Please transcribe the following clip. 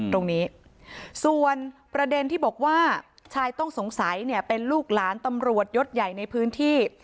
ตรงนี้ส่วนประเด็นที่บอกว่าชายต้องสงสัยเนี่ยเป็นลูกหลานตำรวจยศใหญ่ในพื้นที่